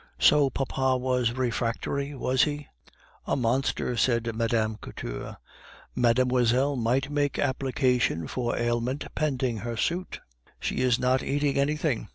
So papa was refractory, was he?" "A monster!" said Mme. Couture. "Mademoiselle might make application for aliment pending her suit; she is not eating anything.